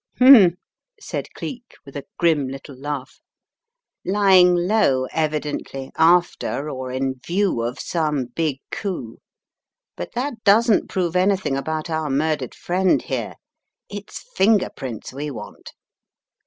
"Hmn," said £leek with a grim little laugh, "lying low, evidently, after, or in view of some big coup, but that doesn't prove anything about our murdered friend bere. It's finger prints we want."